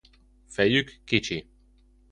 Fejük kicsi.